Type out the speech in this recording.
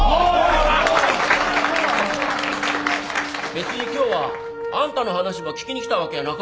別に今日はあんたの話ば聞きに来たわけやなか。